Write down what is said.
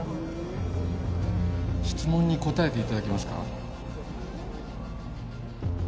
質問に答えていただけますか？